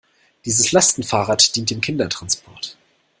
Dieses Lastenfahrrad dient dem Kindertransport.